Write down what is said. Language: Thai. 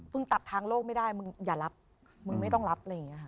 คุณตัดทางโลกไม่ได้มึงอย่ารับมึงไม่ต้องรับ